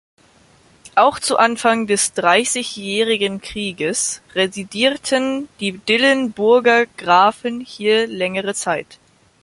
Auch zu Anfang des Dreißigjährigen Kriegs residierten die Dillenburger Grafen hier längere Zeit.